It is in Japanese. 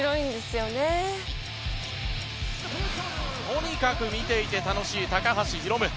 とにかく見ていて楽しい高橋ヒロム。